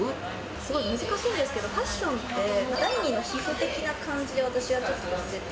すごい難しいんですけど、ファッションって、第２の皮膚的な感じで私はちょっと思ってて。